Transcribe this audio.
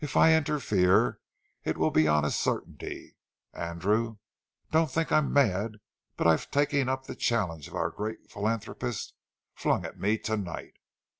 If I interfere, it will be on a certainty. Andrew, don't think I'm mad but I've taken up the challenge our great philanthropist flung at me to night.